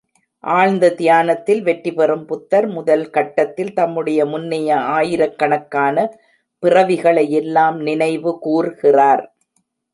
ஆழ்ந்த தியானத்தில் வெற்றி பெறும் புத்தர் முதல் கட்டத்தில் தம்முடைய முன்னைய ஆயிரக்கணக்கான பிறவிகளையெல்லாம் நினைவுகூர்கிறார்.